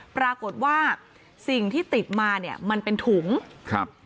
ปรากฏว่าสิ่งที่ติดมาเนี่ยมันเป็นถุงครับ